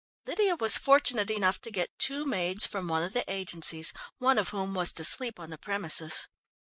Lydia was fortunate enough to get two maids from one of the agencies, one of whom was to sleep on the premises.